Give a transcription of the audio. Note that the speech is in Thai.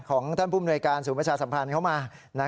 ของท่านผู้มนวยการศูนย์ประชาสัมพันธ์เข้ามา